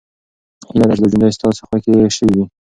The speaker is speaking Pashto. هیله ده چې دا جملې ستاسو خوښې شوې وي.